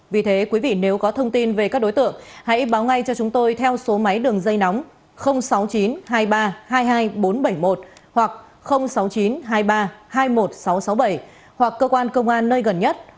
vì thế quý vị nếu có thông tin về các đối tượng hãy báo ngay cho chúng tôi theo số máy đường dây nóng sáu mươi chín hai mươi ba hai mươi hai nghìn bốn trăm bảy mươi một hoặc sáu mươi chín hai mươi ba hai mươi một nghìn sáu trăm sáu mươi bảy hoặc cơ quan công an nơi gần nhất